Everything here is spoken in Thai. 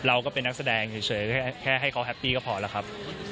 เราก็เป็นนักแสดงเฉยแค่ให้เขาแฮปปี้ก็พอแล้วครับ